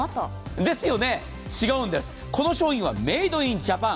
違うんです、この商品はメイド・イン・ジャパン。